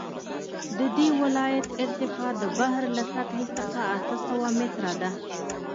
د دې ولایت ارتفاع د بحر له سطحې څخه اته سوه متره ده